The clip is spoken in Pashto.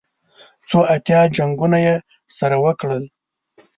څو اتیا جنګونه یې سره وکړل.